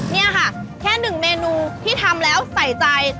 นี่ค่ะแค่หนึ่งเมนูที่ทำแล้วใส่ใจ